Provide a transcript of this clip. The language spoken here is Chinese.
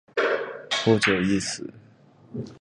不久亦死。